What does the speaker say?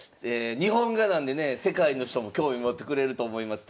日本画なんでね世界の人も興味持ってくれると思います。